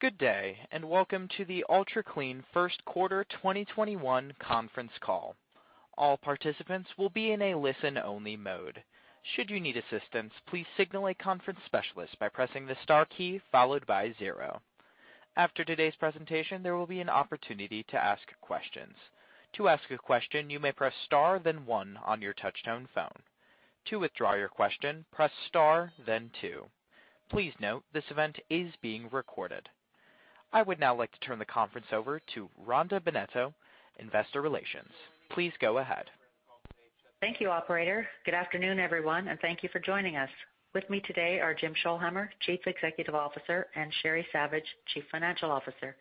Good day, and welcome to the Ultra Clean First Quarter 2021 conference call. All participants will be in a listen-only mode. Should you need assistance, please signal a conference specialist by pressing the star key followed by zero. After today's presentation, there will be an opportunity to ask questions. To ask a question, you may press star, then one on your touch-tone phone. To withdraw your question, press star, then two. Please note this event is being recorded. I would now like to turn the conference over to Rhonda Bennetto, Investor Relations. Please go ahead. Thank you, Operator. Good afternoon, everyone, and thank you for joining us. With me today are Jim Scholhamer, Chief Executive Officer, and Sherry Savage, Chief Financial Officer.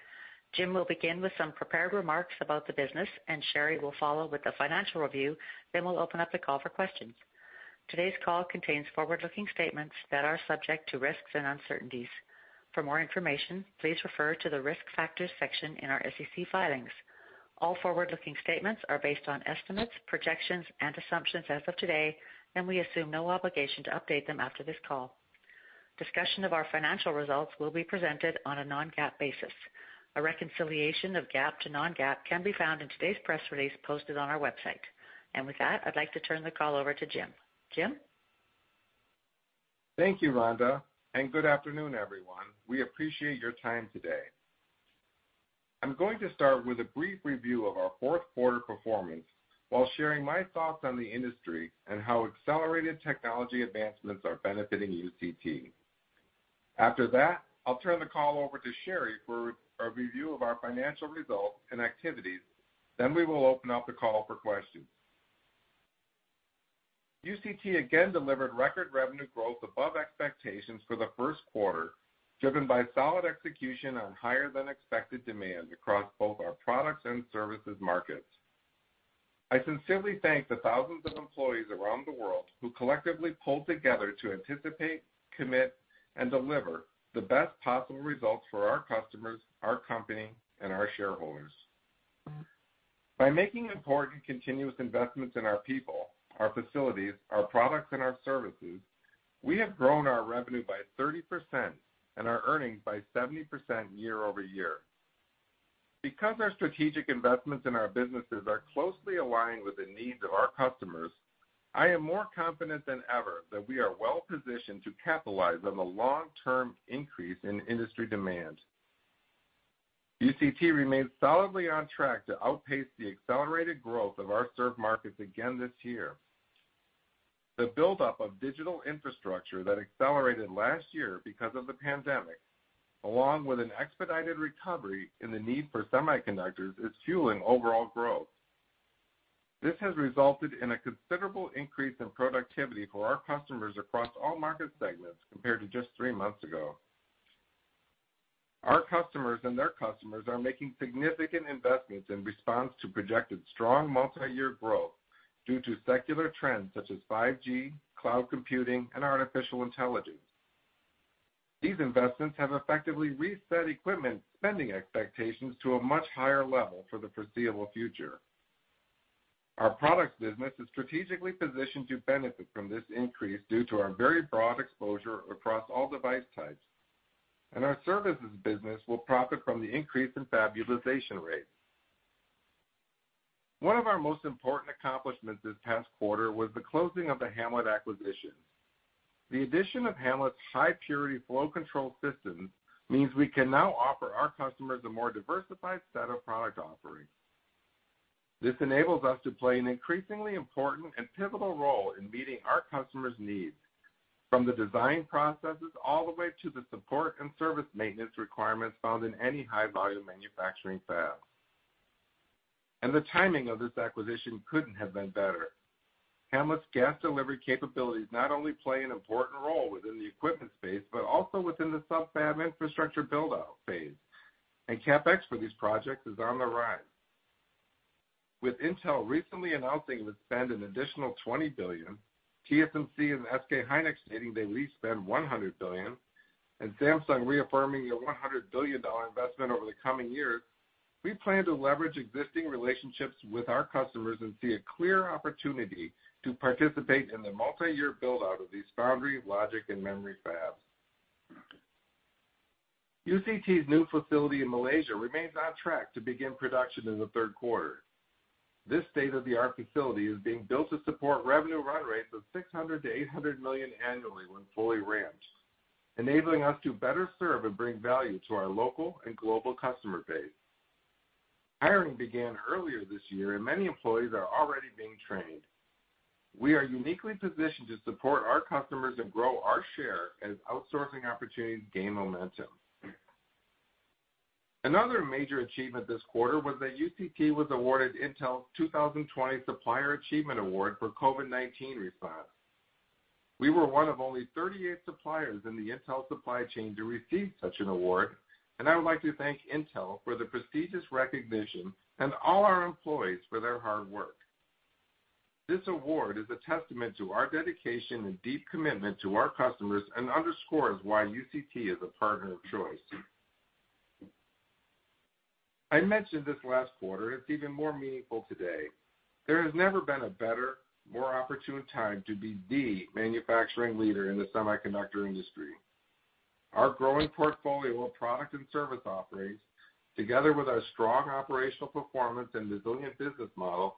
Jim will begin with some prepared remarks about the business, and Sherry will follow with the financial review, then we'll open up the call for questions. Today's call contains forward-looking statements that are subject to risks and uncertainties. For more information, please refer to the risk factors section in our SEC filings. All forward-looking statements are based on estimates, projections, and assumptions as of today, and we assume no obligation to update them after this call. Discussion of our financial results will be presented on a Non-GAAP basis. A reconciliation of GAAP to Non-GAAP can be found in today's press release posted on our website. And with that, I'd like to turn the call over to Jim. Jim? Thank you, Rhonda, and good afternoon, everyone. We appreciate your time today. I'm going to start with a brief review of our fourth quarter performance while sharing my thoughts on the industry and how accelerated technology advancements are benefiting UCT. After that, I'll turn the call over to Sherry for a review of our financial results and activities, then we will open up the call for questions. UCT again delivered record revenue growth above expectations for the first quarter, driven by solid execution on higher-than-expected demand across both our products and services markets. I sincerely thank the thousands of employees around the world who collectively pulled together to anticipate, commit, and deliver the best possible results for our customers, our company, and our shareholders. By making important continuous investments in our people, our facilities, our products, and our services, we have grown our revenue by 30% and our earnings by 70% year over year. Because our strategic investments in our businesses are closely aligned with the needs of our customers, I am more confident than ever that we are well-positioned to capitalize on the long-term increase in industry demand. UCT remains solidly on track to outpace the accelerated growth of our served markets again this year. The buildup of digital infrastructure that accelerated last year because of the pandemic, along with an expedited recovery in the need for semiconductors, is fueling overall growth. This has resulted in a considerable increase in productivity for our customers across all market segments compared to just three months ago. Our customers and their customers are making significant investments in response to projected strong multi-year growth due to secular trends such as 5G, cloud computing, and artificial intelligence. These investments have effectively reset equipment spending expectations to a much higher level for the foreseeable future. Our products business is strategically positioned to benefit from this increase due to our very broad exposure across all device types, and our services business will profit from the increase in fab utilization rates. One of our most important accomplishments this past quarter was the closing of the Ham-Let acquisition. The addition of Ham-Let's high-purity flow control systems means we can now offer our customers a more diversified set of product offerings. This enables us to play an increasingly important and pivotal role in meeting our customers' needs, from the design processes all the way to the support and service maintenance requirements found in any high-volume manufacturing fab. The timing of this acquisition couldn't have been better. Ham-Let's gas delivery capabilities not only play an important role within the equipment space but also within the sub-fab infrastructure buildup phase, and CapEx for these projects is on the rise. With Intel recently announcing it would spend an additional $20 billion, TSMC and SK hynix stating they at least spend $100 billion, and Samsung reaffirming their $100 billion investment over the coming years, we plan to leverage existing relationships with our customers and see a clear opportunity to participate in the multi-year buildup of these foundry, logic, and memory fabs. UCT's new facility in Malaysia remains on track to begin production in the third quarter. This state-of-the-art facility is being built to support revenue run rates of $600-$800 million annually when fully ramped, enabling us to better serve and bring value to our local and global customer base. Hiring began earlier this year, and many employees are already being trained. We are uniquely positioned to support our customers and grow our share as outsourcing opportunities gain momentum. Another major achievement this quarter was that UCT was awarded Intel's 2020 Supplier Achievement Award for COVID-19 response. We were one of only 38 suppliers in the Intel supply chain to receive such an award, and I would like to thank Intel for the prestigious recognition and all our employees for their hard work. This award is a testament to our dedication and deep commitment to our customers and underscores why UCT is a partner of choice. I mentioned this last quarter, and it's even more meaningful today. There has never been a better, more opportune time to be the manufacturing leader in the semiconductor industry. Our growing portfolio of product and service offerings, together with our strong operational performance and resilient business model,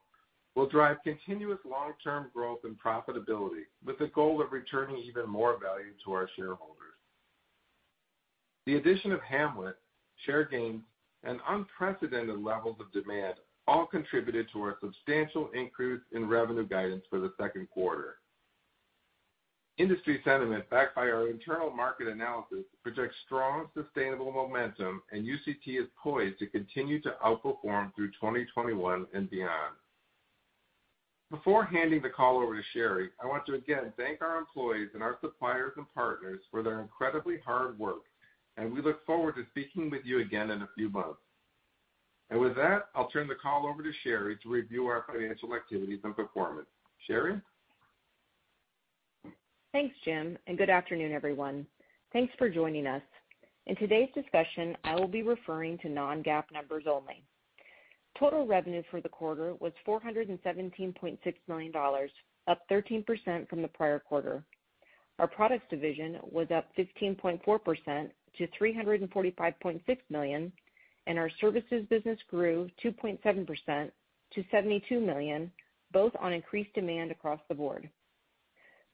will drive continuous long-term growth and profitability with the goal of returning even more value to our shareholders. The addition of Ham-Let, share gains, and unprecedented levels of demand all contributed to our substantial increase in revenue guidance for the second quarter. Industry sentiment backed by our internal market analysis projects strong, sustainable momentum, and UCT is poised to continue to outperform through 2021 and beyond. Before handing the call over to Sherry, I want to again thank our employees and our suppliers and partners for their incredibly hard work, and we look forward to speaking with you again in a few months, and with that, I'll turn the call over to Sherry to review our financial activities and performance. Sherry? Thanks, Jim, and good afternoon, everyone. Thanks for joining us. In today's discussion, I will be referring to non-GAAP numbers only. Total revenue for the quarter was $417.6 million, up 13% from the prior quarter. Our products division was up 15.4% to $345.6 million, and our services business grew 2.7% to $72 million, both on increased demand across the board.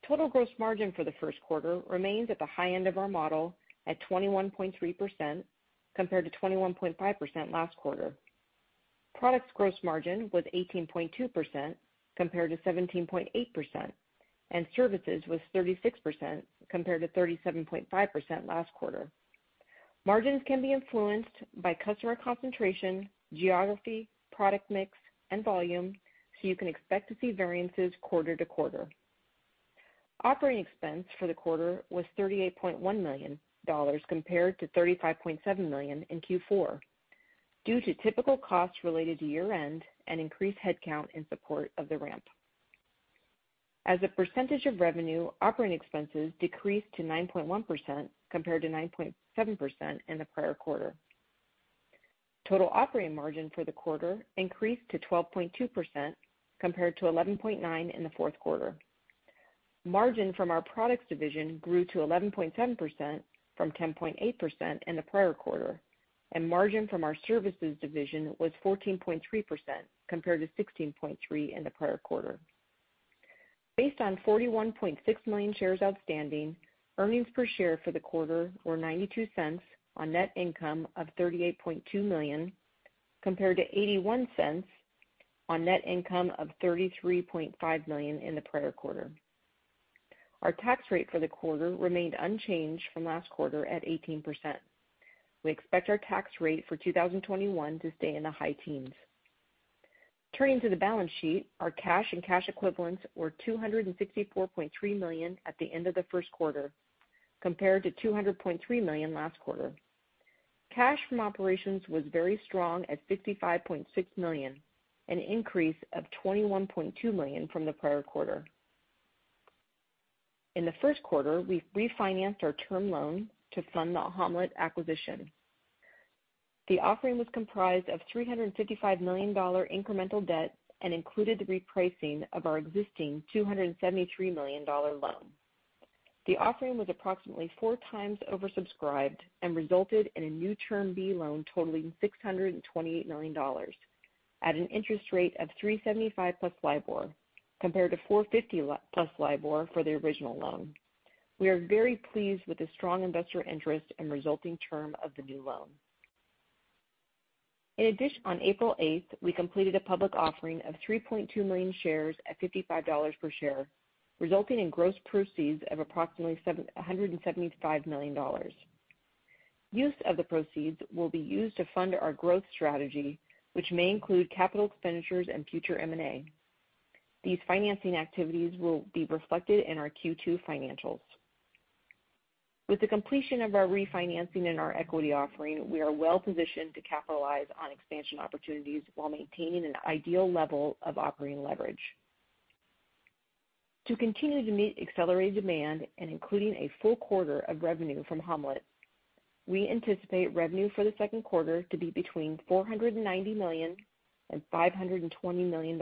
Total gross margin for the first quarter remains at the high end of our model at 21.3% compared to 21.5% last quarter. Products gross margin was 18.2% compared to 17.8%, and services was 36% compared to 37.5% last quarter. Margins can be influenced by customer concentration, geography, product mix, and volume, so you can expect to see variances quarter to quarter. Operating expense for the quarter was $38.1 million compared to $35.7 million in Q4 due to typical costs related to year-end and increased headcount in support of the ramp. As a percentage of revenue, operating expenses decreased to 9.1% compared to 9.7% in the prior quarter. Total operating margin for the quarter increased to 12.2% compared to 11.9% in the fourth quarter. Margin from our products division grew to 11.7% from 10.8% in the prior quarter, and margin from our services division was 14.3% compared to 16.3% in the prior quarter. Based on 41.6 million shares outstanding, earnings per share for the quarter were $0.92 on net income of $38.2 million compared to $0.81 on net income of $33.5 million in the prior quarter. Our tax rate for the quarter remained unchanged from last quarter at 18%. We expect our tax rate for 2021 to stay in the high teens. Turning to the balance sheet, our cash and cash equivalents were $264.3 million at the end of the first quarter compared to $200.3 million last quarter. Cash from operations was very strong at $55.6 million, an increase of $21.2 million from the prior quarter. In the first quarter, we refinanced our term loan to fund the Ham-Let acquisition. The offering was comprised of $355 million incremental debt and included the repricing of our existing $273 million loan. The offering was approximately four times oversubscribed and resulted in a new Term B loan totaling $628 million at an interest rate of 375 plus LIBOR compared to 450 plus LIBOR for the original loan. We are very pleased with the strong investor interest and resulting term of the new loan. In addition, on April 8th, we completed a public offering of 3.2 million shares at $55 per share, resulting in gross proceeds of approximately $175 million. Use of the proceeds will be used to fund our growth strategy, which may include capital expenditures and future M&A. These financing activities will be reflected in our Q2 financials. With the completion of our refinancing and our equity offering, we are well-positioned to capitalize on expansion opportunities while maintaining an ideal level of operating leverage. To continue to meet accelerated demand and including a full quarter of revenue from Ham-Let, we anticipate revenue for the second quarter to be between $490 million-$520 million,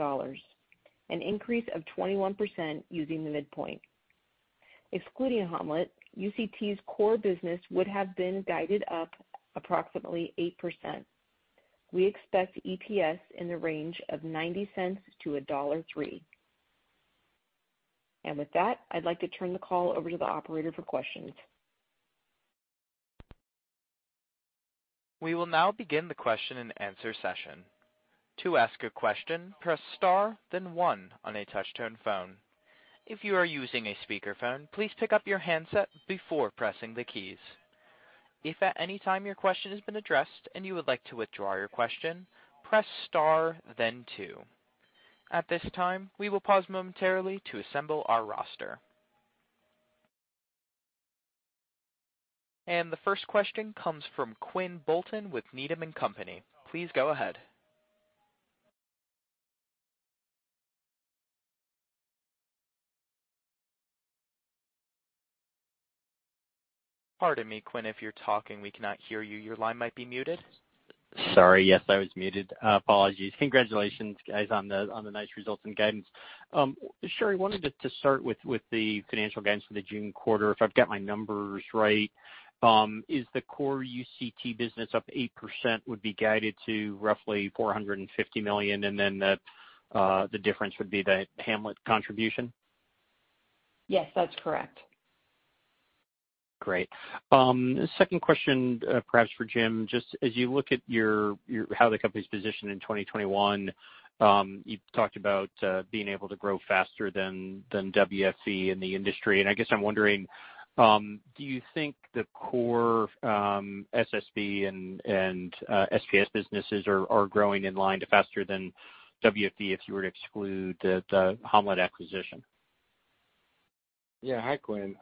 an increase of 21% using the midpoint. Excluding Ham-Let, UCT's core business would have been guided up approximately 8%. We expect EPS in the range of $0.90-$1.03, and with that, I'd like to turn the call over to the operator for questions. We will now begin the question-and-answer session. To ask a question, press star then one on a touch-tone phone. If you are using a speakerphone, please pick up your handset before pressing the keys. If at any time your question has been addressed and you would like to withdraw your question, press star then two. At this time, we will pause momentarily to assemble our roster, and the first question comes from Quinn Bolton with Needham & Company. Please go ahead. Pardon me, Quinn, if you're talking. We cannot hear you. Your line might be muted. Sorry. Yes, I was muted. Apologies. Congratulations, guys, on the nice results and guidance. Sherry, wanted to start with the financial guidance for the June quarter, if I've got my numbers right. Is the core UCT business up 8%, would be guided to roughly $450 million, and then the difference would be the Ham-Let contribution? Yes, that's correct. Great. Second question, perhaps for Jim, just as you look at how the company's positioned in 2021, you talked about being able to grow faster than WFE in the industry. And I guess I'm wondering, do you think the core SSB and SPS businesses are growing in line faster than WFE if you were to exclude the Ham-Let acquisition? Yeah. Hi, Quinn.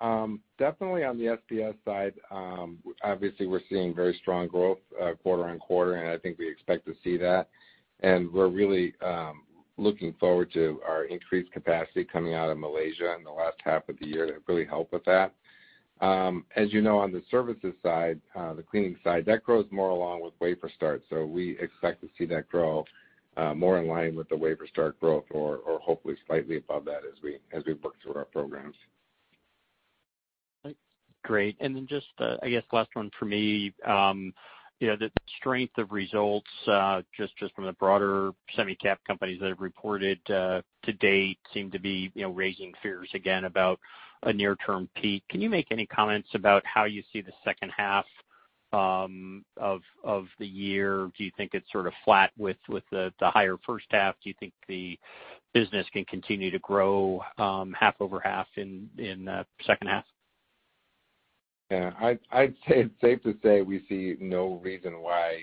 Definitely on the SPS side, obviously, we're seeing very strong growth quarter on quarter, and I think we expect to see that. And we're really looking forward to our increased capacity coming out of Malaysia in the last half of the year to really help with that. As you know, on the services side, the cleaning side, that grows more along with wafer starts. So we expect to see that grow more in line with the wafer starts growth or hopefully slightly above that as we work through our programs. Great. And then just, I guess, last one for me, the strength of results just from the broader semicap companies that have reported to date seem to be raising fears again about a near-term peak. Can you make any comments about how you see the second half of the year? Do you think it's sort of flat with the higher first half? Do you think the business can continue to grow half over half in the second half? Yeah. I'd say it's safe to say we see no reason why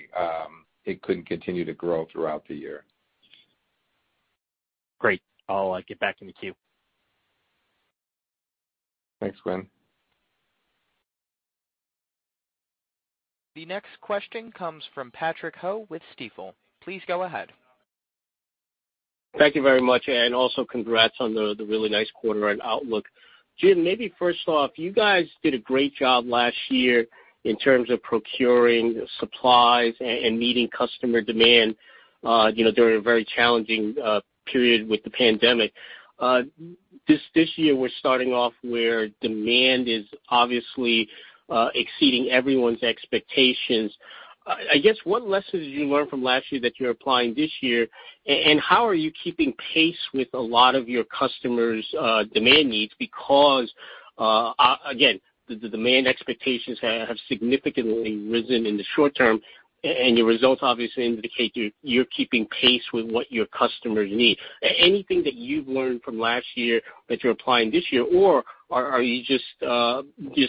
it couldn't continue to grow throughout the year. Great. I'll get back in the queue. Thanks, Quinn. The next question comes from Patrick Ho with Stifel. Please go ahead. Thank you very much, and also congrats on the really nice quarter-end outlook. Jim, maybe first off, you guys did a great job last year in terms of procuring supplies and meeting customer demand during a very challenging period with the pandemic. This year, we're starting off where demand is obviously exceeding everyone's expectations. I guess, what lessons did you learn from last year that you're applying this year? And how are you keeping pace with a lot of your customers' demand needs? Because, again, the demand expectations have significantly risen in the short term, and your results obviously indicate you're keeping pace with what your customers need. Anything that you've learned from last year that you're applying this year, or are you just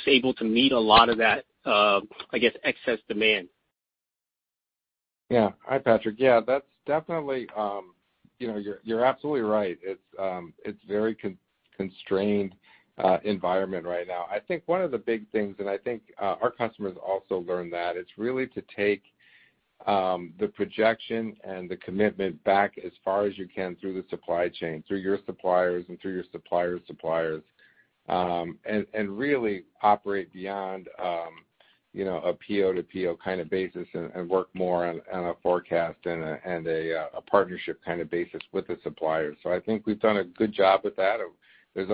able to meet a lot of that, I guess, excess demand? Yeah. Hi, Patrick. Yeah, that's definitely, you're absolutely right. It's a very constrained environment right now. I think one of the big things, and I think our customers also learned that, it's really to take the projection and the commitment back as far as you can through the supply chain, through your suppliers and through your suppliers' suppliers, and really operate beyond a PO-to-PO kind of basis and work more on a forecast and a partnership kind of basis with the suppliers. So I think we've done a good job with that. There's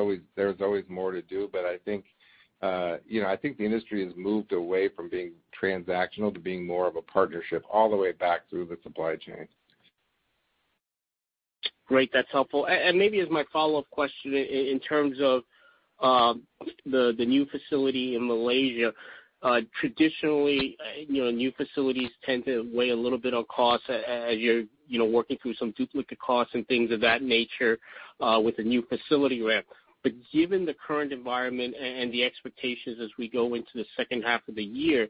always more to do, but I think the industry has moved away from being transactional to being more of a partnership all the way back through the supply chain. Great. That's helpful. And maybe as my follow-up question, in terms of the new facility in Malaysia, traditionally, new facilities tend to weigh a little bit on costs as you're working through some duplicate costs and things of that nature with a new facility ramp. But given the current environment and the expectations as we go into the second half of the year,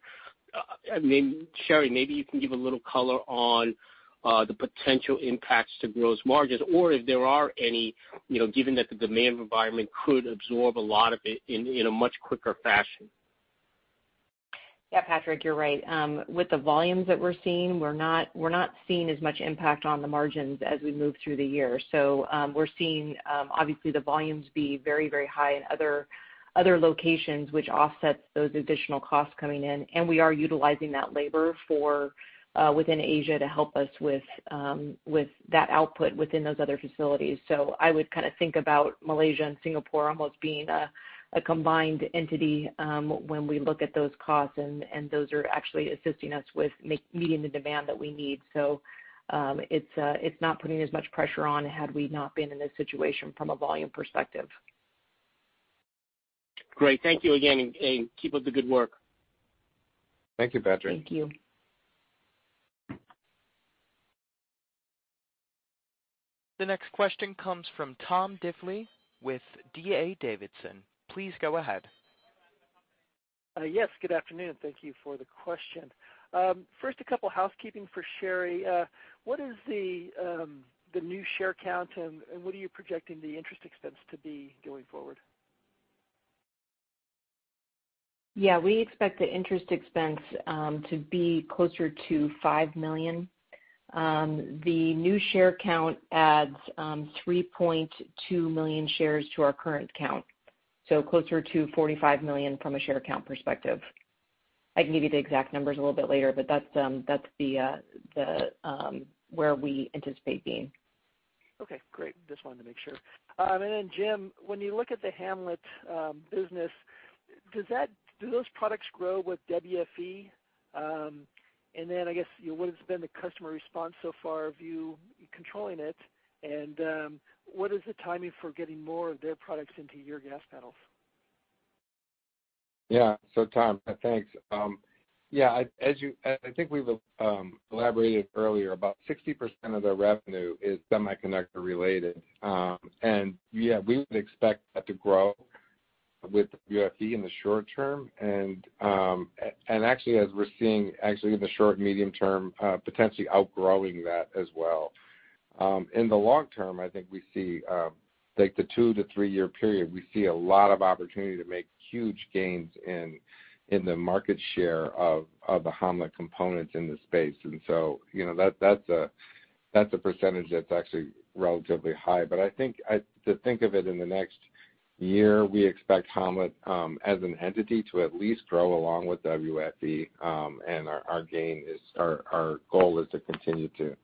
Sherry, maybe you can give a little color on the potential impacts to gross margins or if there are any, given that the demand environment could absorb a lot of it in a much quicker fashion. Yeah, Patrick, you're right. With the volumes that we're seeing, we're not seeing as much impact on the margins as we move through the year. So we're seeing, obviously, the volumes be very, very high in other locations, which offsets those additional costs coming in. And we are utilizing that labor within Asia to help us with that output within those other facilities. So I would kind of think about Malaysia and Singapore almost being a combined entity when we look at those costs, and those are actually assisting us with meeting the demand that we need. So it's not putting as much pressure on had we not been in this situation from a volume perspective. Great. Thank you again, and keep up the good work. Thank you, Patrick. Thank you. The next question comes from Tom Difley with D.A. Davidson. Please go ahead. Yes, good afternoon. Thank you for the question. First, a couple of housekeeping for Sherry. What is the new share count, and what are you projecting the interest expense to be going forward? Yeah, we expect the interest expense to be closer to $5 million. The new share count adds 3.2 million shares to our current count, so closer to $45 million from a share count perspective. I can give you the exact numbers a little bit later, but that's where we anticipate being. Okay. Great. Just wanted to make sure. And then, Jim, when you look at the Ham-Let business, do those products grow with WFE? And then, I guess, what has been the customer response so far of you controlling it? And what is the timing for getting more of their products into your gas panels? Yeah. So, Tom, thanks. Yeah, as I think we've elaborated earlier, about 60% of the revenue is semiconductor-related. And yeah, we would expect that to grow with WFE in the short term. And actually, as we're seeing, actually, in the short and medium term, potentially outgrowing that as well. In the long term, I think we see, like the two- to three-year period, we see a lot of opportunity to make huge gains in the market share of the Ham-Let components in the space. And so that's a percentage that's actually relatively high. But I think to think of it in the next year, we expect Ham-Let, as an entity, to at least grow along with WFE, and our goal is to continue to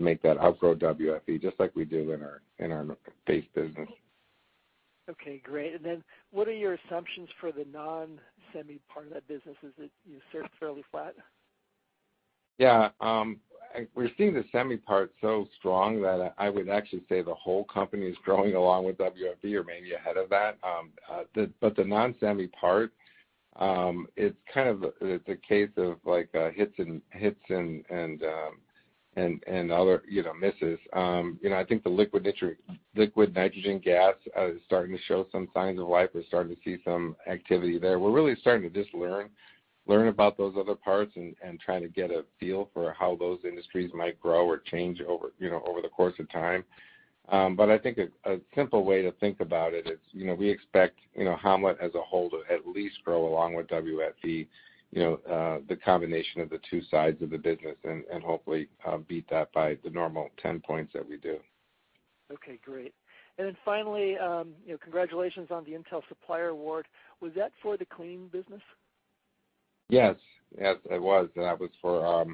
make that outgrow WFE, just like we do in our base business. Okay. Great, and then what are your assumptions for the non-semi-part of that business? Is it fairly flat? Yeah. We're seeing the semi-part so strong that I would actually say the whole company is growing along with WFE or maybe ahead of that. But the non-semi part, it's kind of a case of hits and misses. I think the liquid nitrogen gas is starting to show some signs of life. We're starting to see some activity there. We're really starting to just learn about those other parts and trying to get a feel for how those industries might grow or change over the course of time. But I think a simple way to think about it is we expect Ham-Let, as a whole, to at least grow along with WFE, the combination of the two sides of the business, and hopefully beat that by the normal 10 points that we do. Okay. Great. And then finally, congratulations on the Intel Supplier Award. Was that for the clean business? Yes. Yes, it was. That was for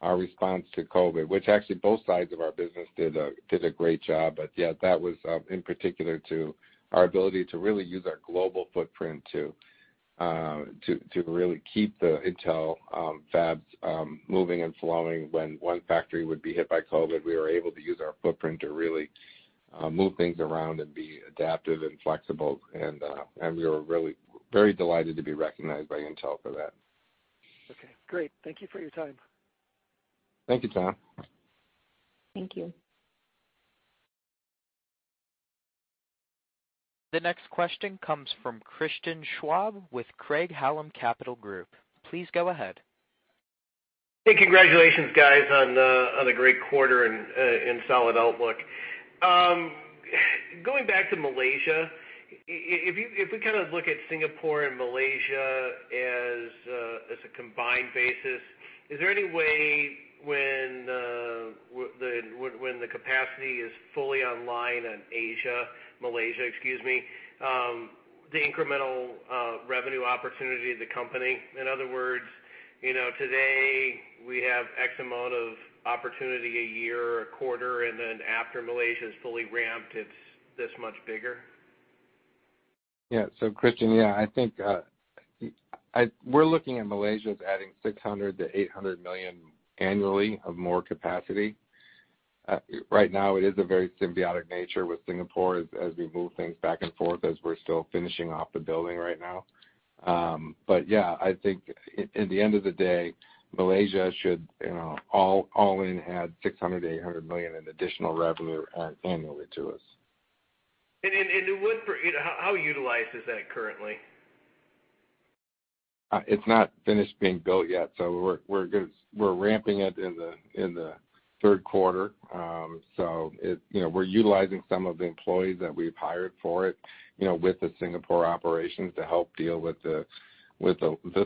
our response to COVID, which actually both sides of our business did a great job. But yeah, that was in particular to our ability to really use our global footprint to really keep the Intel fabs moving and flowing when one factory would be hit by COVID. We were able to use our footprint to really move things around and be adaptive and flexible. And we were really very delighted to be recognized by Intel for that. Okay. Great. Thank you for your time. Thank you, Tom. Thank you. The next question comes from Christian Schwab with Craig-Hallum Capital Group. Please go ahead. Hey, congratulations, guys, on a great quarter and solid outlook. Going back to Malaysia, if we kind of look at Singapore and Malaysia as a combined basis, is there any way when the capacity is fully online in Asia, Malaysia, excuse me, the incremental revenue opportunity of the company? In other words, today, we have X amount of opportunity a year, a quarter, and then after Malaysia is fully ramped, it's this much bigger? Yeah. So, Christian, yeah, I think we're looking at Malaysia as adding $600-$800 million annually of more capacity. Right now, it is a very symbiotic nature with Singapore as we move things back and forth as we're still finishing off the building right now. But yeah, I think at the end of the day, Malaysia should all in add $600-$800 million in additional revenue annually to us. How utilized is that currently? It's not finished being built yet. So we're ramping it in the third quarter. So we're utilizing some of the employees that we've hired for it with the Singapore operations to help deal with the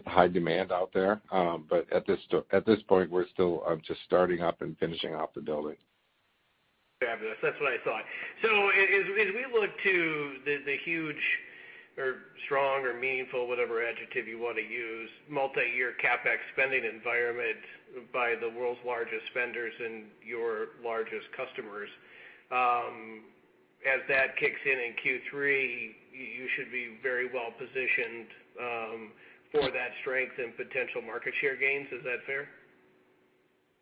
high demand out there. But at this point, we're still just starting up and finishing off the building. Fabulous. That's what I thought. So as we look to the huge or strong or meaningful, whatever adjective you want to use, multi-year CapEx spending environment by the world's largest vendors and your largest customers, as that kicks in in Q3, you should be very well positioned for that strength and potential market share gains. Is that fair?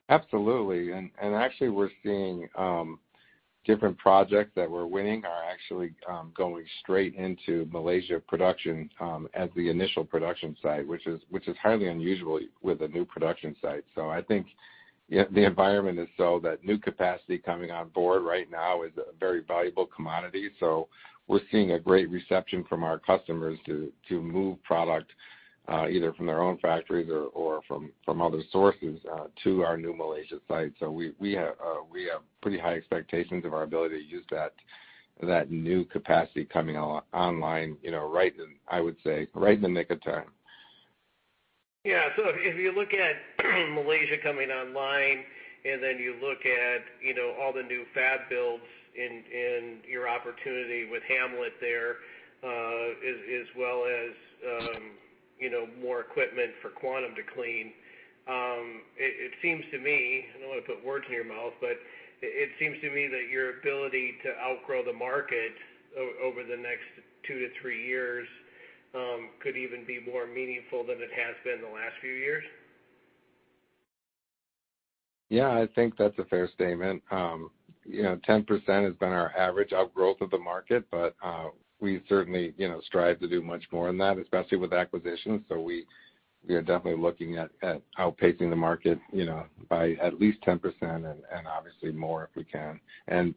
Absolutely. And actually, we're seeing different projects that we're winning are actually going straight into Malaysia production as the initial production site, which is highly unusual with a new production site. So I think the environment is so that new capacity coming on board right now is a very valuable commodity. So we're seeing a great reception from our customers to move product either from their own factories or from other sources to our new Malaysia site. So we have pretty high expectations of our ability to use that new capacity coming online right in, I would say, right in the nick of time. Yeah. So if you look at Malaysia coming online and then you look at all the new fab builds and your opportunity with Ham-Let there as well as more equipment for Quantum to clean, it seems to me I don't want to put words in your mouth, but it seems to me that your ability to outgrow the market over the next two to three years could even be more meaningful than it has been the last few years? Yeah. I think that's a fair statement. 10% has been our average outgrowth of the market, but we certainly strive to do much more than that, especially with acquisitions. So we are definitely looking at outpacing the market by at least 10% and obviously more if we can. And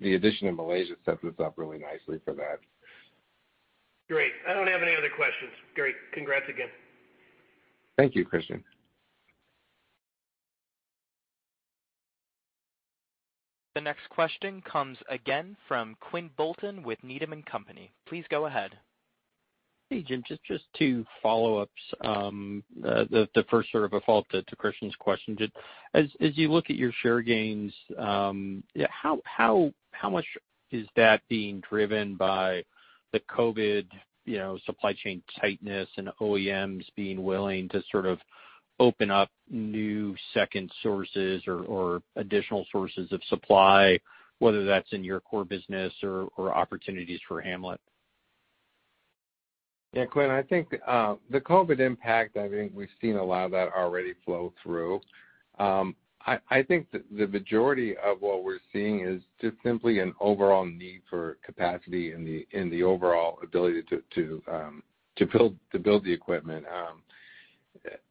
the addition of Malaysia sets us up really nicely for that. Great. I don't have any other questions. Great. Congrats again. Thank you, Christian. The next question comes again from Quinn Bolton with Needham & Company. Please go ahead. Hey, Jim, just two follow-ups. The first sort of a follow-up to Christian's question. As you look at your share gains, how much is that being driven by the COVID supply chain tightness and OEMs being willing to sort of open up new second sources or additional sources of supply, whether that's in your core business or opportunities for Ham-Let? Yeah, Quinn, I think the COVID impact, I think we've seen a lot of that already flow through. I think the majority of what we're seeing is just simply an overall need for capacity in the overall ability to build the equipment.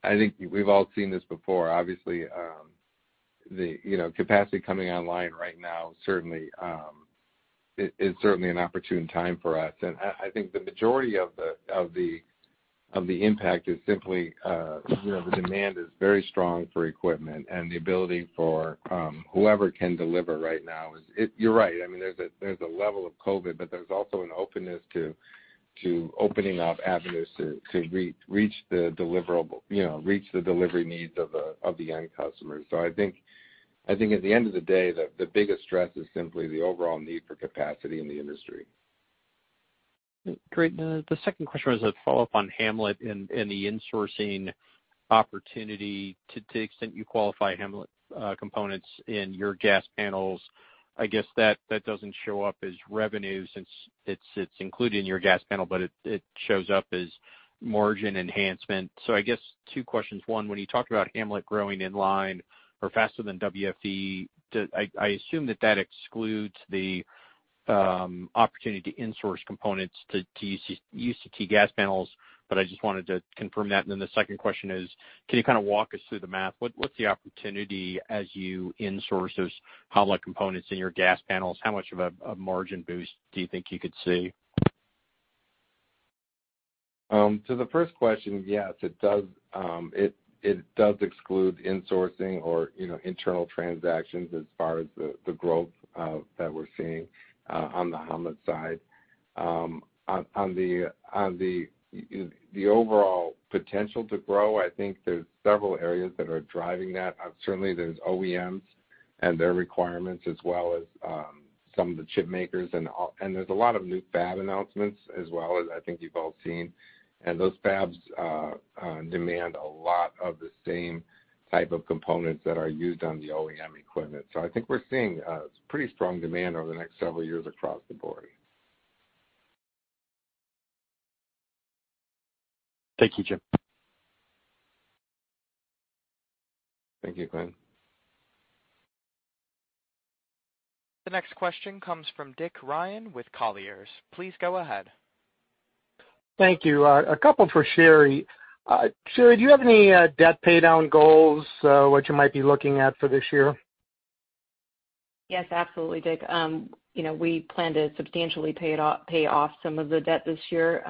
I think we've all seen this before. Obviously, the capacity coming online right now is certainly an opportune time for us. And I think the majority of the impact is simply the demand is very strong for equipment and the ability for whoever can deliver right now. You're right. I mean, there's a level of COVID, but there's also an openness to opening up avenues to reach the delivery needs of the end customers. So I think at the end of the day, the biggest stress is simply the overall need for capacity in the industry. Great. The second question was a follow-up on Ham-Let and the insourcing opportunity. To the extent you qualify Ham-Let components in your gas panels, I guess that doesn't show up as revenue since it's included in your gas panel, but it shows up as margin enhancement. So I guess two questions. One, when you talked about Ham-Let growing in line or faster than WFE, I assume that that excludes the opportunity to insource components to UCT gas panels, but I just wanted to confirm that. And then the second question is, can you kind of walk us through the math? What's the opportunity as you insource those Ham-Let components in your gas panels? How much of a margin boost do you think you could see? To the first question, yes, it does exclude insourcing or internal transactions as far as the growth that we're seeing on the Ham-Let side. On the overall potential to grow, I think there's several areas that are driving that. Certainly, there's OEMs and their requirements as well as some of the chip makers. And there's a lot of new fab announcements as well, as I think you've all seen. And those fabs demand a lot of the same type of components that are used on the OEM equipment. So I think we're seeing pretty strong demand over the next several years across the board. Thank you, Jim. Thank you, Quinn. The next question comes from Dick Ryan with Colliers. Please go ahead. Thank you. A couple for Sherry. Sherry, do you have any debt paydown goals, what you might be looking at for this year? Yes, absolutely, Dick. We plan to substantially pay off some of the debt this year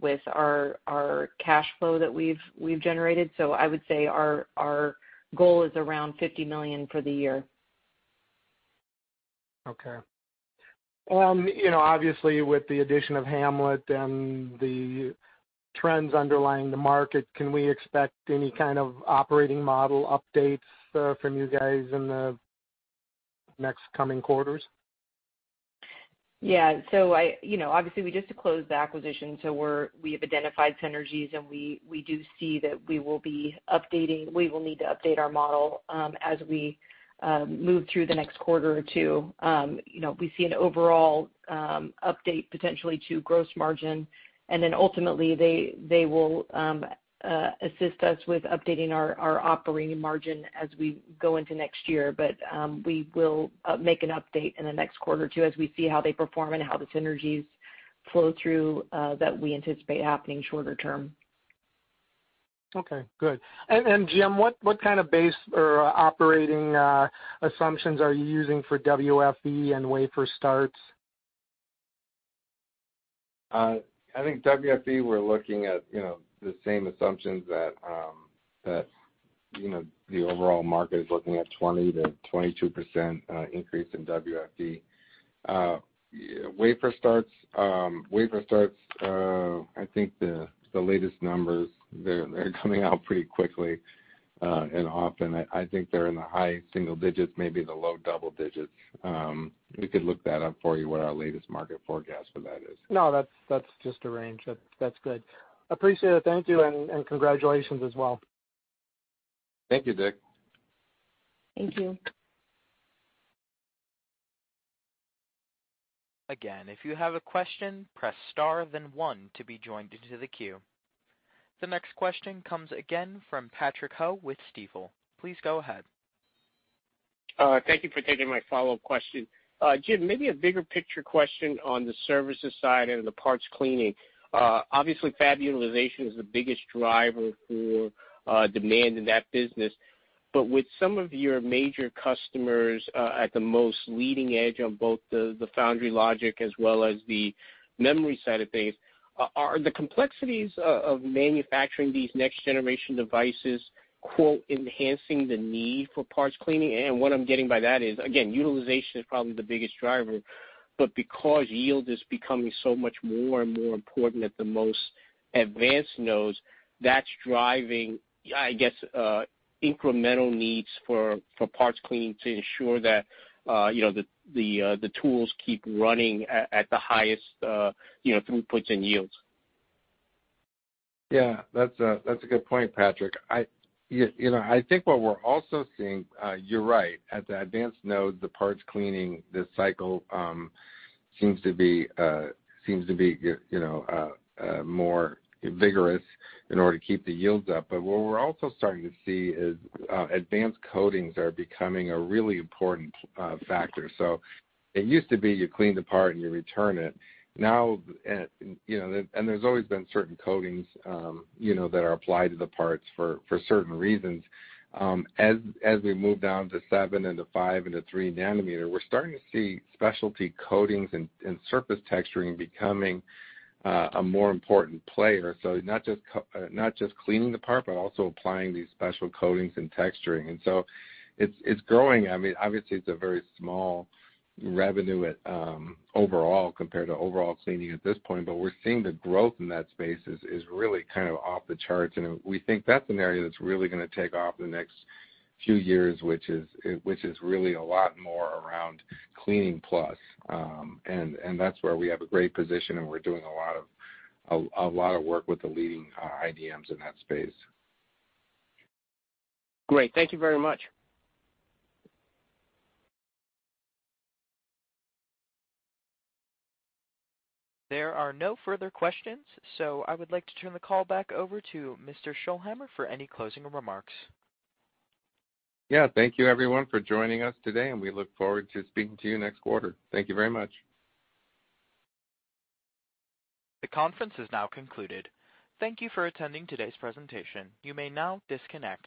with our cash flow that we've generated. So I would say our goal is around $50 million for the year. Okay. Obviously, with the addition of Ham-Let and the trends underlying the market, can we expect any kind of operating model updates from you guys in the next coming quarters? Yeah. So obviously, we just closed the acquisition. So we have identified synergies, and we do see that we will need to update our model as we move through the next quarter or two. We see an overall update potentially to gross margin. And then ultimately, they will assist us with updating our operating margin as we go into next year. But we will make an update in the next quarter or two as we see how they perform and how the synergies flow through that we anticipate happening shorter term. Okay. Good. And Jim, what kind of base or operating assumptions are you using for WFE and wafer starts? I think WFE, we're looking at the same assumptions that the overall market is looking at, 20%-22% increase in WFE. Wafer starts, I think the latest numbers, they're coming out pretty quickly and often. I think they're in the high single digits, maybe the low double digits. We could look that up for you, what our latest market forecast for that is. No, that's just a range. That's good. Appreciate it. Thank you. And congratulations as well. Thank you, Dick. Thank you. Again, if you have a question, press star, then one to be joined into the queue. The next question comes again from Patrick Ho with Stifel. Please go ahead. Thank you for taking my follow-up question. Jim, maybe a bigger picture question on the services side and the parts cleaning. Obviously, fab utilization is the biggest driver for demand in that business. But with some of your major customers at the most leading edge on both the foundry logic as well as the memory side of things, are the complexities of manufacturing these next-generation devices quote enhancing the need for parts cleaning? And what I'm getting by that is, again, utilization is probably the biggest driver. But because yield is becoming so much more and more important at the most advanced nodes, that's driving, I guess, incremental needs for parts cleaning to ensure that the tools keep running at the highest throughputs and yields. Yeah. That's a good point, Patrick. I think what we're also seeing, you're right, at the advanced nodes, the parts cleaning, the cycle seems to be more vigorous in order to keep the yields up. But what we're also starting to see is advanced coatings are becoming a really important factor. So it used to be you clean the part and you return it. Now, and there's always been certain coatings that are applied to the parts for certain reasons. As we move down to 7 and to 5 and to 3 nanometers, we're starting to see specialty coatings and surface texturing becoming a more important player. So not just cleaning the part, but also applying these special coatings and texturing. And so it's growing. I mean, obviously, it's a very small revenue overall compared to overall cleaning at this point. But we're seeing the growth in that space is really kind of off the charts. And we think that's an area that's really going to take off in the next few years, which is really a lot more around cleaning plus. And that's where we have a great position, and we're doing a lot of work with the leading IDMs in that space. Great. Thank you very much. There are no further questions. So I would like to turn the call back over to Mr. Scholhamer for any closing remarks. Yeah. Thank you, everyone, for joining us today, and we look forward to speaking to you next quarter. Thank you very much. The conference is now concluded. Thank you for attending today's presentation. You may now disconnect.